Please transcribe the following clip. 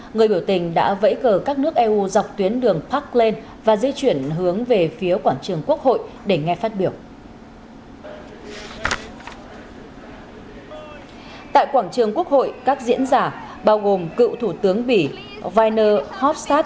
người biểu tình đã vẫy cờ các nước eu dọc tuyến đường parkland và di chuyển hướng về phía quảng trường quốc hội để nghe phát biểu